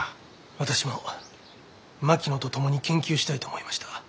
私も槙野と共に研究したいと思いました。